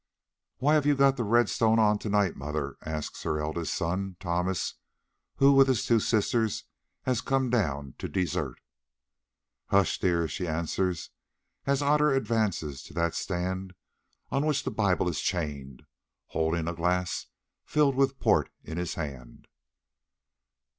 "Why have you got the red stone on to night, mother?" asks her eldest son Thomas, who with his two sisters has come down to desert. "Hush, dear," she answers, as Otter advances to that stand on which the Bible is chained, holding a glass filled with port in his hand.